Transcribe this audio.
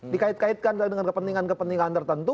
dikait kaitkan dengan kepentingan kepentingan tertentu